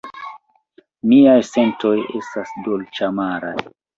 Miaj sentoj estas dolĉamaraj.